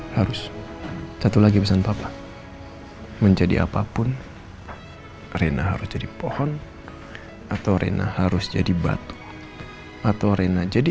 harus satu lagi pesan bapak menjadi apapun rena harus jadi pohon atau rena harus jadi batu atau rena jadi